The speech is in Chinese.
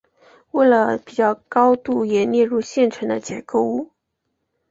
为了比较高度也列入现存的结构物。